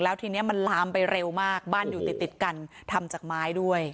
แล้วทีนี้มันลามไปเร็วมากบ้านอยู่ติดติดกันทำจากไม้ด้วย